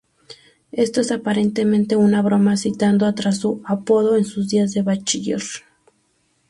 Esto es, aparentemente, una broma citando atrás su apodo en sus días de Bachiller.